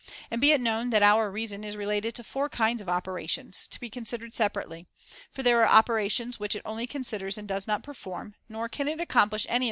And be it known that our reason is related to four kinds of operations, to be considered separately ; for there are operations which it only considers and does not perform, nor can it accomplish any 270 THE CONVIVIO Ch.